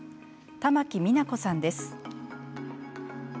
玉木美南子さんです。